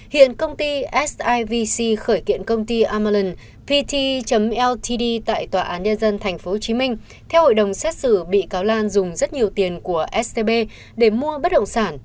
hiện công ty sivc khởi kiện công ty amalanpte ltd tại tòa án nhân dân tp hcm theo hội đồng xét xử bị cáo lan dùng rất nhiều tiền của stb để mua bất động sản